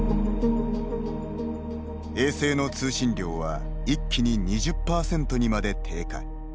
衛星の通信量は、一気に２０％にまで低下。